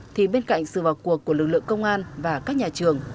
thì bên cạnh sự vào cuộc của lực lượng công an và các nhà trường